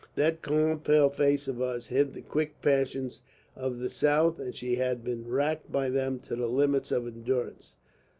That calm pale face of hers hid the quick passions of the South, and she had been racked by them to the limits of endurance.